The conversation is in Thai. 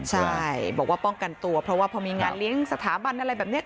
ใช่บอกว่าป้องกันตัวเพราะว่าพอมีงานเลี้ยงสถาบันอะไรแบบนี้